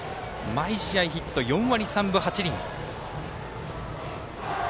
毎試合、ヒット４割３分８厘。